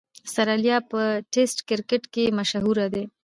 اسټرالیا په ټېسټ کرکټ کښي مشهوره ده.